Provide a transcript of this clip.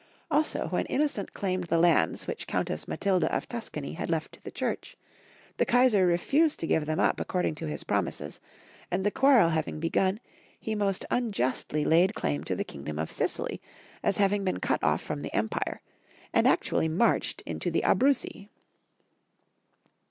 Also, when Innocent claimed the lands which Countess Matilda of Tuscany had left to the Church, the Kaisar refused to give them up according to his promises, and the quarrel having begun, he most unjustly laid claim to the kingdom of Sicily as having been cut off from the empire, and actually marched into the Abruzzi.